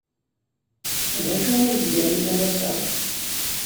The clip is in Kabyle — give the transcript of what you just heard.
D acu ay tgam imalas-a?